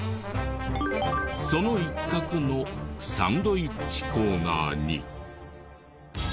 その一角のサンドウィッチコーナーに。